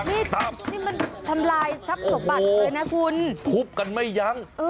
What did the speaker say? เอ้ยนี่มันทำลายทัพสกบัตรเลยนะคุณโอ้โฮทุบกันไม่ยัง